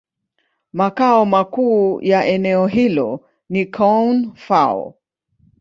Makao makuu ya eneo hilo ni Koun-Fao.